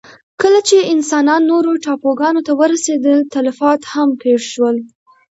کله چې انسانان نورو ټاپوګانو ته ورسېدل، تلفات هم پېښ شول.